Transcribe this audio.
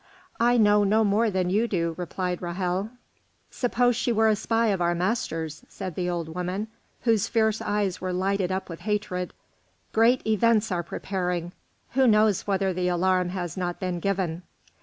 "I know no more than you do," replied Ra'hel. "Suppose she were a spy of our masters'," said the old woman, whose fierce eyes were lighted up with hatred. "Great events are preparing, who knows whether the alarm has not been given?"